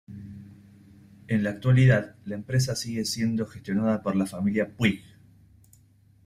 En la actualidad la empresa sigue siendo gestionada por la familia Puig.